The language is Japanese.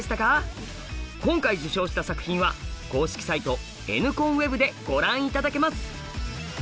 今回受賞した作品は公式サイト「ＮコンＷＥＢ」でご覧頂けます。